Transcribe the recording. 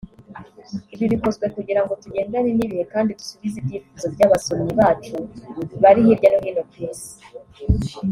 Ibi bikozwe kugirango tugendane n’ibihe kandi dusubize ibyifuzo by’abasomyi bacu bari hirya no hino ku isi